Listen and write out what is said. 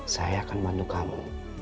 saya akan bantu kamu